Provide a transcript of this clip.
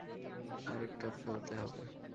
আরেকটা ফেলতে হবে।